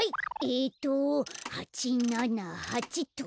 えっと８７８っと。